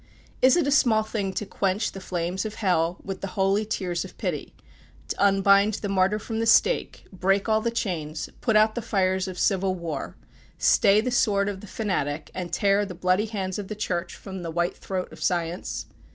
Is it a small thing to quench the flames of hell with the holy tears of pity to unbind the martyr from the stake break all the chains put out the fires of civil war stay the sword of the fanatic, and tear the bloody hands of the Church from the white throat of Science?